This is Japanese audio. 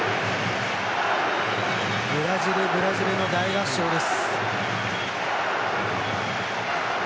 「ブラジル、ブラジル」の大合唱です。